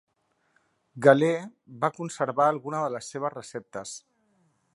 Galè va conservar alguna de les seves receptes.